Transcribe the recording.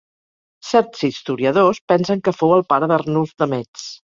Certs historiadors pensen que fou el pare d'Arnulf de Metz.